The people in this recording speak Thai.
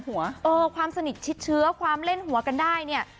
เออความสนิทชิดเชื้อความเล่นหัวกันได้เนี่ย